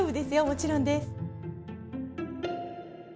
もちろんです。